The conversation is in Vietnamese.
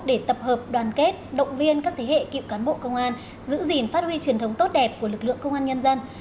để tập hợp đoàn kết động viên các thế hệ cựu cán bộ công an giữ gìn phát huy truyền thống tốt đẹp của lực lượng công an nhân dân